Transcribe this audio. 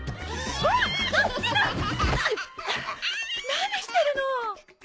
何してるの！